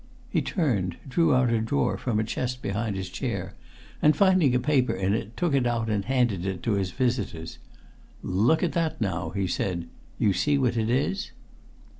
He turned, drew out a drawer from a chest behind his chair, and finding a paper in it took it out and handed it to his visitors. "Look at that, now!" he said. "You see what it is?"